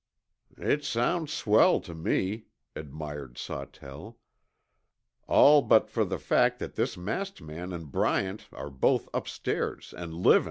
"It sounds swell to me," admired Sawtell, "all but for the fact that this masked man an' Bryant are both upstairs and livin'."